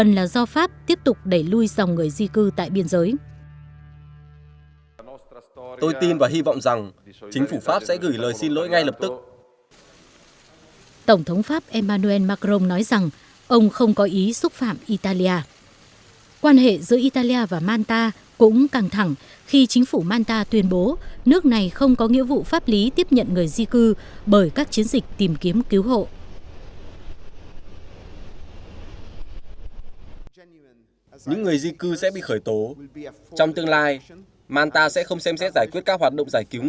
những người di cư sẽ bị khởi tố trong tương lai manta sẽ không xem xét giải quyết các hoạt động giải cứu người di cư